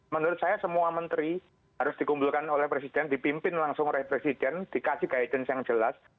menurut saya semua menteri harus dikumpulkan oleh presiden dipimpin langsung oleh presiden dikasih guidance yang jelas